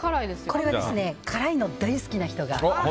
これは辛いの大好きな人が。